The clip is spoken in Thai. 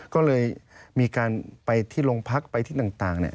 ก็เลยมีการไปที่โรงพักไปที่ต่าง